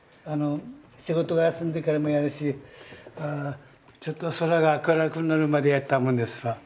仕事が休んでからもやるしちょっと空が明るくなるまでやったもんですわ。